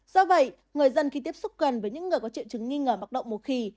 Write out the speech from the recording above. do vậy người dân khi tiếp xúc gần với những người có triệu chứng nghi ngờ mặc động mùa khỉ